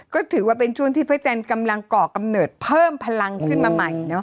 ก็ถือว่าเป็นช่วงที่พระจันทร์กำลังก่อกำเนิดเพิ่มพลังขึ้นมาใหม่